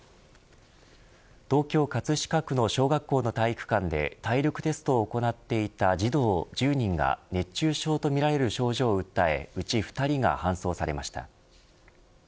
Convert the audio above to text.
東京、葛飾区の小学校の体育館で体力テストを行っていた児童１０人が熱中症とみられる症状を訴えうち２人が搬送されました。